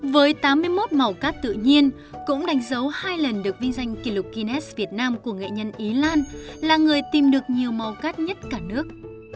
với tám mươi một màu cát tự nhiên cũng đánh dấu hai lần được vinh danh kỷ lục guinness việt nam của nghệ nhân ý lan là người tìm được nhiều màu cát nhất cả nước